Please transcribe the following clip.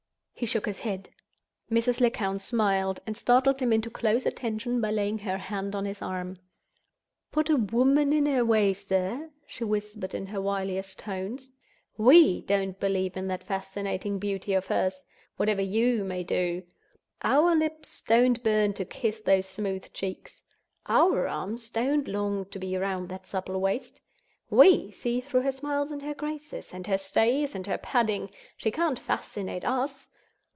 He shook his head. Mrs. Lecount smiled, and startled him into close attention by laying her hand on his arm. "Put a Woman in her way, sir!" she whispered in her wiliest tones. "We don't believe in that fascinating beauty of hers—whatever you may do. Our lips don't burn to kiss those smooth cheeks. Our arms don't long to be round that supple waist. We see through her smiles and her graces, and her stays and her padding—she can't fascinate _us!